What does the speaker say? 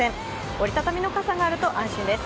折り畳みの傘があると安心です。